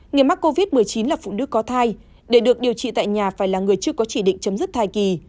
người mắc covid một mươi chín là phụ nữ có thai để được điều trị tại nhà phải là người chưa có chỉ định chấm dứt thai kỳ